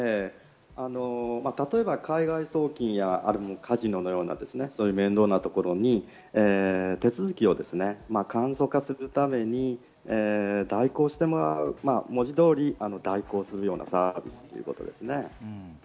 例えば海外送金や、カジノのような面倒なところに手続きを簡素化するために代行してもらう、文字どおり代行するようなサービスということです。